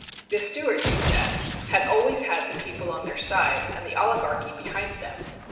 The Stuarts, he said, had always had the people on their side and the oli garchy against them.